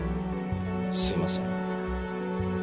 すいません。